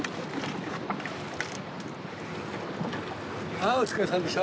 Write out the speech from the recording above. あお疲れさんでした！